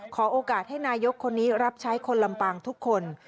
ขอโอกาสให้นายกคนนี้รับใช้คนลำปางทุกคน